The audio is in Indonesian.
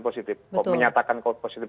dan juga harus menyatakan positif